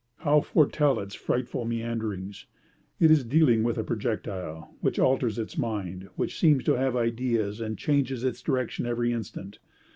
How foretell its frightful meanderings? It is dealing with a projectile, which alters its mind, which seems to have ideas, and changes its direction every instant.